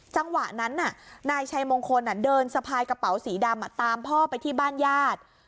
จังหวะนั้นนายชัยมงคลเดินสะพายกระเป๋าสีดำตามพ่อไปที่บ้านญาติ